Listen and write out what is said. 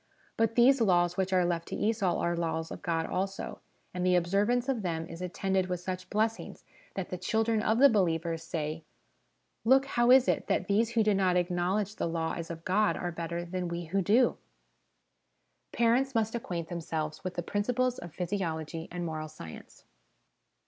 But these laws which are left to Esau are laws of God also, and the observance of them is attended with such blessings, that the children of the believers say, " Look, how is it that these who do not acknowledge the Law as of God are better than we who do ?" Parents must acquaint themselves with the Principles of Physiology and Moral Science.